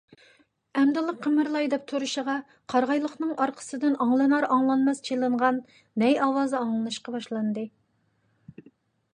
ئەمدىلا قىمىرلاي دەپ تۇرۇشىغا، قارىغايلىقنىڭ ئارقىسىدىن ئاڭلىنار - ئاڭلانماس چېلىنغان نەي ئاۋازى ئاڭلىنىشقا باشلىدى.